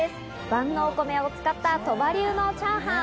万能お米を使った鳥羽流のチャーハン。